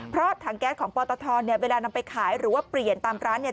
เพราะถังแก๊สของปตทเนี่ยเวลานำไปขายหรือว่าเปลี่ยนตามร้านเนี่ย